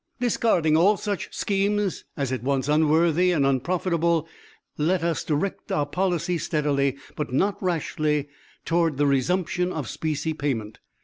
"Discarding all such schemes as at once unworthy and unprofitable, let us direct our policy steadily, but not rashly, toward the resumption of specie payment.